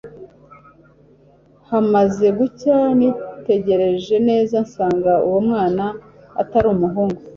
hamaze gucya, nitegereje neza nsanga uwo mwana atari umuhungu